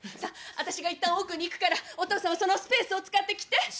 私がいったん奥に行くからお父さんはそのスペースを使って来て。